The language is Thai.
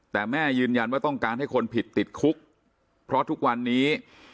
แต่แม่ยืนยันว่าต้องการให้คนผิดติดคุกเพราะทุกวันนี้